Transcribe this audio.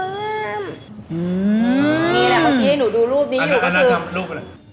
อืมนี่แหละอาชีพให้หนูดูรูปนี้อยู่ก็คืออันนั้นทำรูปกัน